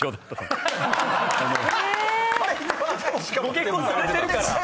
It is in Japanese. ・ご結婚されてるから。